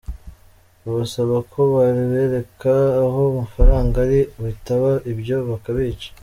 Babasaba ko babereka aho amafaranga ari bitaba ibyo bakabica.